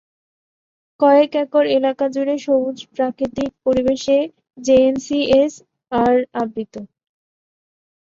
কয়েক একর এলাকা জুড়ে সবুজ প্রাকৃতিক পরিবেশে J N C S R আবৃত।